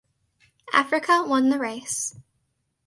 Africa won the race.